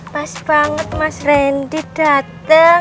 pas banget mas rendy dateng